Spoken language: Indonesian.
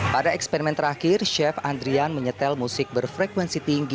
pada eksperimen terakhir chef andrian menyetel musik berfrekuensi tinggi